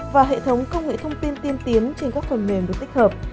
và hệ thống công nghệ thông tin tiên tiến trên các phần mềm được tích hợp